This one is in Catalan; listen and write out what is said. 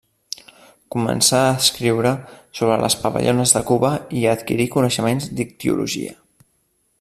Començà a escriure sobre les papallones de Cuba i a adquirir coneixements d'ictiologia.